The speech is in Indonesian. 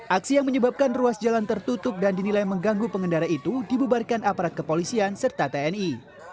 aksi yang menyebabkan ruas jalan tertutup dan dinilai mengganggu pengendara itu dibubarkan aparat kepolisian serta tni